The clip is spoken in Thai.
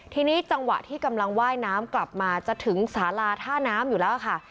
ทีนี้จังหวะที่กำลังว่ายน้ำกลับมาจะถึงสาลาท่าน้ำอยู่แล้วค่ะ